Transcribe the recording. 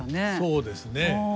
そうですね。